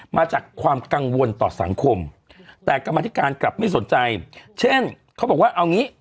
มาจากความกังวลต่อสังคมแต่กรรมธิการกลับไม่สนใจเช่นเขาบอกว่าเอางี้